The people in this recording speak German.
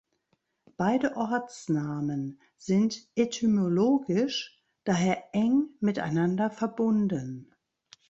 Beide Ortsnamen sind etymologisch daher eng miteinander verbunden.